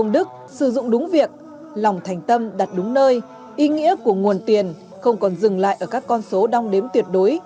đức sử dụng đúng việc lòng thành tâm đặt đúng nơi ý nghĩa của nguồn tiền không còn dừng lại ở các con số đong đếm tuyệt đối